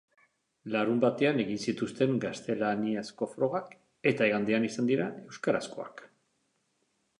Larunbatean egin zituzten gaztelaniazko frogak, eta igandean izan dira euskarazkoak.